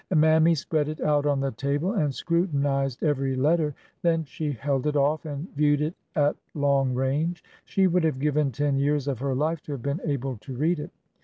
Mammy spread it out on the table and scrutinized every letter. Then she held it off and viewed it at long range. She would have given ten years of her life to have been able to read it.